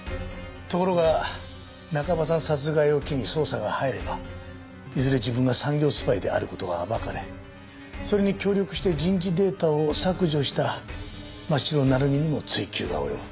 ところが中葉さん殺害を機に捜査が入ればいずれ自分が産業スパイである事が暴かれそれに協力して人事データを削除した松代成実にも追及が及ぶ。